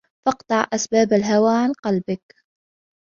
فَاقْطَعْ أَسْبَابَ الْهَوَى عَنْ قَلْبِك